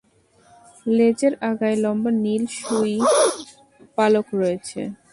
লেজের আগায় লম্বা নীল সুই-পালক রয়েছে।